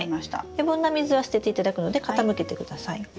余分な水は捨てていただくので傾けてください。